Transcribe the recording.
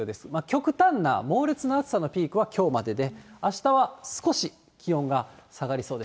極端な猛烈な暑さのピークはきょうまでで、あしたは少し気温が下がりそうです。